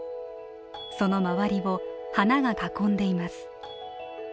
その周りを花が囲んでいます。